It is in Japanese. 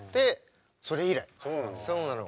そうなの？